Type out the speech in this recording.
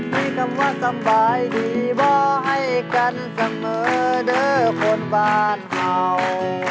มีคำว่าสบายดีบ่ให้กันเสมอเด้อคนบ้านเขา